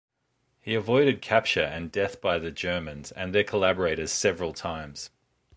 He avoided capture and death by the Germans and their collaborators several times.